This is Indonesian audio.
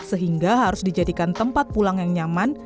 sehingga harus dijadikan tempat pulang yang nyaman